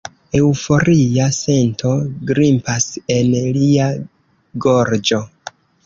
Eŭforia sento grimpas en lia gorĝo.